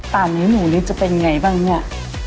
ตามนี้หนูจะเป็นยังไงบ้างเนี่ย